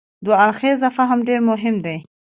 دوه اړخیز فهم ډېر مهم دی.